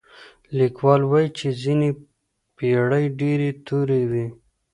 ليکوال وايي چي ځينې پېړۍ ډېرې تورې وې.